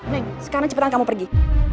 neng sekarang cepatan kamu pergi